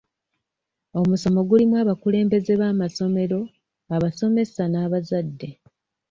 Omusomo gulimu abakulembeze b'amasomero, abasomesa n'abazadde.